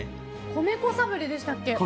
米粉サブレでしたっけ。